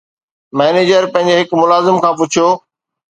manager پنهنجي هڪ ملازم کان پڇيو